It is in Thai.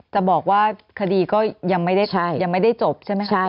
จะบอกว่าคดีก็ยังไม่ได้จบใช่ไหมคะ